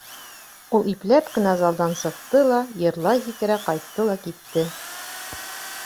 Ул ипләп кенә залдан сыҡты ла йырлай-һикерә ҡайтты ла китте.